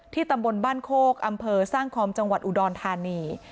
ตำบลบ้านโคกอำเภอสร้างคอมจังหวัดอุดรธานี